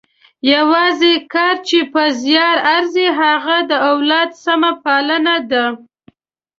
یوازنۍ کار چې په زیار ارزي هغه د اولاد سمه پالنه ده.